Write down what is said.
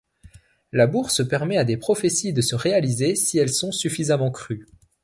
La bourse permet à des prophéties de se réaliser si elles sont suffisamment crues.